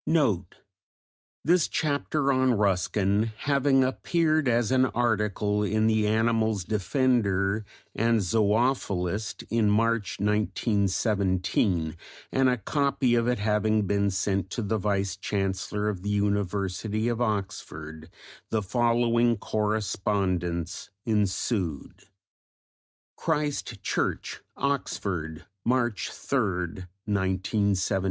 NOTE. This chapter on Ruskin having appeared as an article in The Animals' Defender and Zoophilist in March, 1917, and a copy of it having been sent to the Vice Chancellor of the University of Oxford, the following correspondence ensued: CHRIST CHURCH, OXFORD, March 3_rd_, 1917.